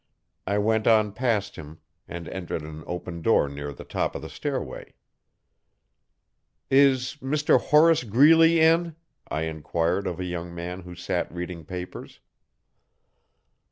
I went on past him and entered an open door near the top of the stairway. 'Is Mr Horace Greeley in?' I enquired of a young man who sat reading papers.